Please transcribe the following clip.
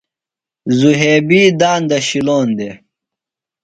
ذُھیبی داندہ شِلون دےۡ۔